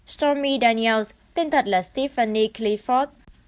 stormy daniels tên thật là stephanie clifford